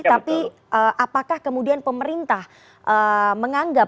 tapi apakah kemudian pemerintah menganggap